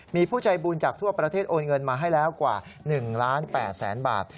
มีผู้ใจบุญจากทั่วประเทศโอนเงินมาให้แล้วกว่า๑ล้าน๘แสนบาท